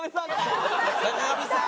坂上さん。